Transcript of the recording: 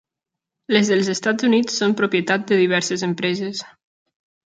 Les dels Estats Units són propietat de diverses empreses.